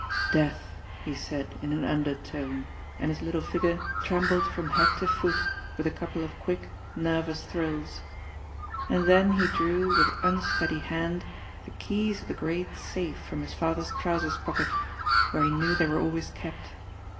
*^ Death," he said in an undertone, and his little figure trembled from head to foot with a couple of quick, nervous thrills. And then he drew, with unsteady hand, the keys of the great safe from his father's trousers pocket, where he knew they were always kept.